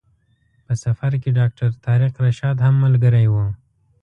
په سفر کې ډاکټر طارق رشاد هم ملګری و.